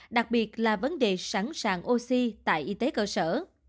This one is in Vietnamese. đặc biệt là vấn đề sẵn sàng oxy tại y tế cơ sở